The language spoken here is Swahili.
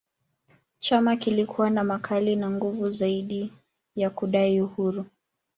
Chama kilikuwa na makali na nguvu zaidi ya kudai uhuru